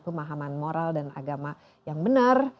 pemahaman moral dan agama yang benar